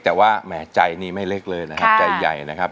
แต่ว่าแหมใจนี่ไม่เล็กเลยนะครับใจใหญ่นะครับ